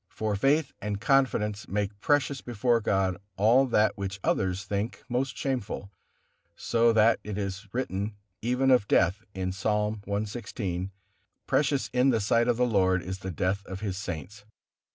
For faith and confidence make precious before God all that which others think most shameful, so that it is written even of death in Psalm cxvi, "Precious in the sight of the Lord is the death of His saints."